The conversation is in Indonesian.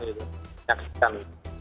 jadi itu sudah diperhatikan